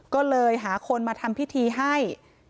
ก็เลยหาคนมาทำพิธีให้